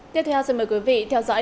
tiếp theo xin mời quý vị theo dõi